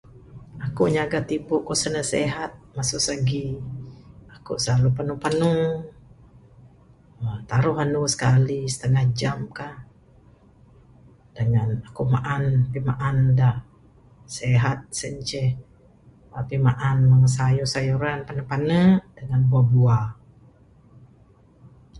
Akuk nyaga tibu aku sa ne sehat masu segi, akuk slalu penu penu. Taruh andu sekali, setengah jam kah dengan akuk maan pimaan da sehat. Sien ceh pimaan mung sayur sayuran, panu' panu' dengan buak buak.